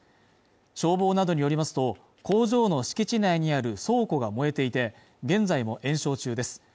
消防などによりますと工場の敷地内にある倉庫が燃えていて現在も延焼中です